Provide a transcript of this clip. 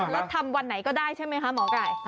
แล้วทำวันไหนก็ได้ใช่ไหมคะหมอไก่